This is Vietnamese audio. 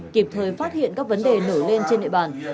kịp thời phát hiện các vấn đề nổi lên trên địa bàn